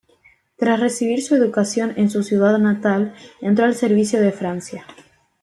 Tras recibir su educación en su ciudad natal, entró al servicio de Francia.